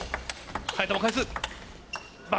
早田も返す。